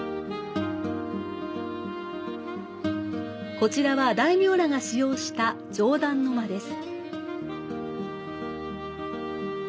こちらは、大名らが使用した上段の間です。